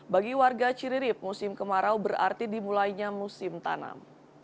bagi warga ciririp musim kemarau berarti dimulainya musim tanam